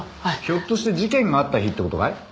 ひょっとして事件があった日って事かい？